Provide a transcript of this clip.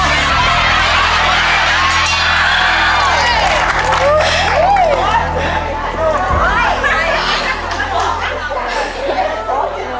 หนูด้วยเหรอ